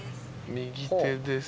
右手です。